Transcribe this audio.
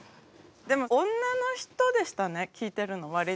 でも女の人でしたね聞いてるの割と。